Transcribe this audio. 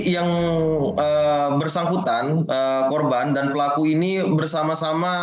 yang bersangkutan korban dan pelaku ini bersama sama